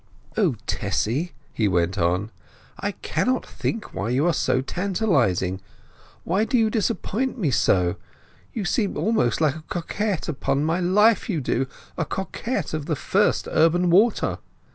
"O, Tessy!" he went on, "I cannot think why you are so tantalizing. Why do you disappoint me so? You seem almost like a coquette, upon my life you do—a coquette of the first urban water!